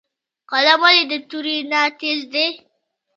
قلم ولې د تورې نه تېز دی؟